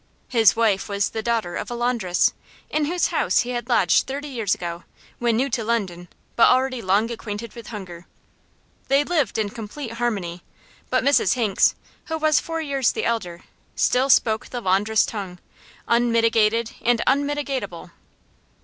His wife was the daughter of a laundress, in whose house he had lodged thirty years ago, when new to London but already long acquainted with hunger; they lived in complete harmony, but Mrs Hinks, who was four years the elder, still spoke the laundress tongue, unmitigated and immitigable.